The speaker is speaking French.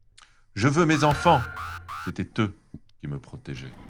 Je veux mes enfants ! …C'étaient eux qui me protégeaient.